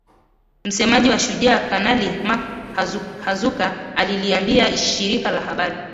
Msemaji wa Shujaa Kanali Mak Hazukay aliliambia shirika la habari